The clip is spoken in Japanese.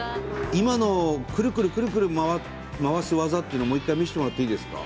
今のクルクルクルクル回す技っていうのもう一回見せてもらっていいですか？